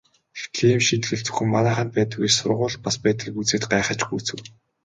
Тэгтэл ийм шийтгэл зөвхөн манайханд байдаг биш сургуульд бас байдгийг үзээд гайхаж гүйцэв.